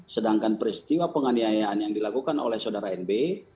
sedangkan peristiwa penganiayaan yang dilakukan oleh saudara nb